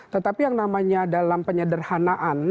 tetapi yang namanya dalam penyederhanaan